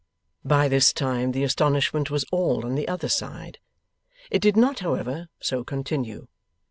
By this time the astonishment was all on the other side. It did not, however, so continue.